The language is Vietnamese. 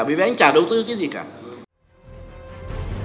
bởi vì anh chả đầu tư cái gì cả